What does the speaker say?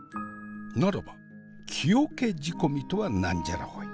ならば木桶仕込みとは何じゃらほい？